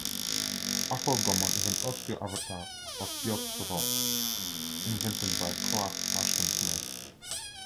Aforgomon is an obscure avatar of Yog-Sothoth invented by Clark Ashton Smith.